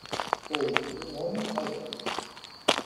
ou um homem ao vento.